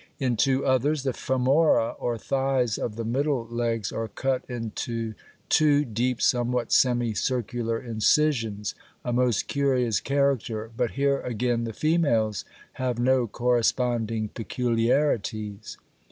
In two others, the femora, or thighs of the middle legs, are cut into two deep somewhat semicircular incisions (fig. 24, 1) a most curious character; but here again the females have no corresponding peculiarities.